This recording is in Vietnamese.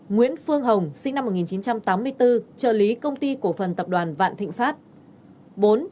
bốn nguyễn phương hồng sinh năm một nghìn chín trăm tám mươi bốn trợ lý công ty cổ phần tập đoàn vạn thịnh pháp